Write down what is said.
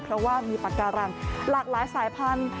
เพราะว่ามีปากการังหลากหลายสายพันธุ